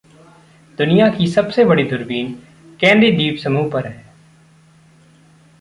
दुनिया की सबसे बड़ी दुरबीन कैनरी द्वीप समूह पर है।